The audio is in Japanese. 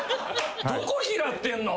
「どこ拾ってんの？」